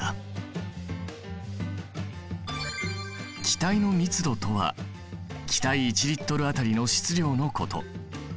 気体の密度とは気体１Ｌあたりの質量のこと。